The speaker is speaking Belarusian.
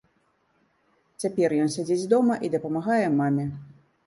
Цяпер ён сядзіць дома і дапамагае маме.